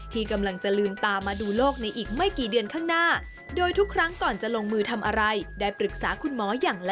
ที่กำลังจะลืมตามาดูโลกในอีกไม่กี่เดือนข้างหน้า